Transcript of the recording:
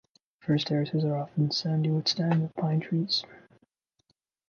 First terraces are often sandy with stands of pine trees.